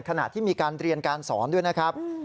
ขณะที่มีการเรียนการสอนด้วยนะครับ